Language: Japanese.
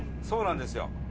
そうなんですよ。